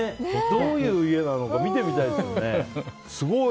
どういう家なのか見てみたいですよね。